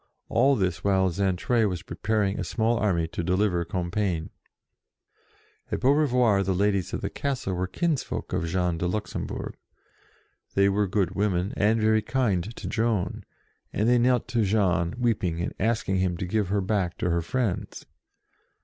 All this while Xaintrailles was preparing a small army to deliver Compiegne. At Beaurevoir the ladies of the castle were CAPTIVITY 95 kinsfolk of Jean de Luxembourg. They were good women, and very kind to Joan, and they knelt to Jean, weeping, and asking him to give her back to her friends.